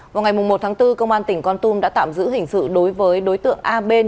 vào ngày một tháng bốn công an tỉnh con tum đã tạm giữ hình sự đối với đối tượng a bên